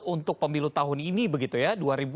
untuk pemilu tahun ini begitu ya dua ribu dua puluh empat